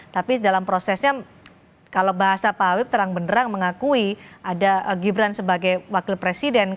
tapi dalam prosesnya kalau bahasa pak hawi terang benerang mengakui ada gibran sebagai wakil presiden